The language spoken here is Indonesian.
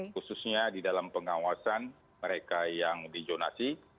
khususnya di dalam pengawasan mereka yang dijonasi